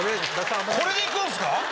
これで行くんすか